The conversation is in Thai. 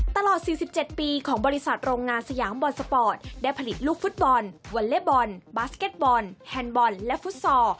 ตลอด๔๗ปีของบริษัทโรงงานสยามบอลสปอร์ตได้ผลิตลูกฟุตบอลวอลเล็บบอลบาสเก็ตบอลแฮนด์บอลและฟุตซอล